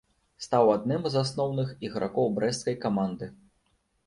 Стаў адным з асноўных ігракоў брэсцкай каманды.